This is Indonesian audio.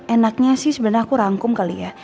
enaknya sih sebenarnya aku rangkum kali ya